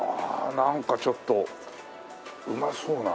なんかちょっとうまそうな。